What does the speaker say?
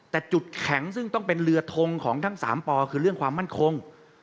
แต่จุดแข็งซึ่งต้องเป็นเรือทงของทั้ง๓ปอคือเรื่องความมั่นคง